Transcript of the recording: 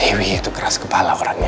hewi itu keras kepala orangnya